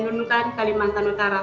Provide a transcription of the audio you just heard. nunukan kalimantan utara